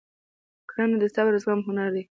کرنه د صبر او زغم هنر دی.